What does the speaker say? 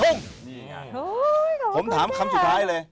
ดีอย่างงั้นโอ้ยขอบคุณแม่ผมถามคำสุดท้ายเลย